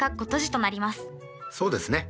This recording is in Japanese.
そうですね。